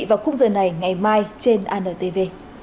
vào khúc giờ này ngày mai trên antv